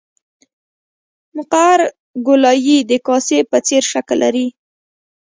مقعر ګولایي د کاسې په څېر شکل لري